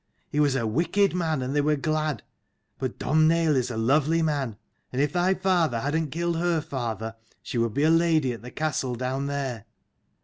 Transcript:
He was a wicked man, and they were glad. But Domh naill is a lovely man. And if thy father hadn't killed her father, she would be a lady at the Castle down there.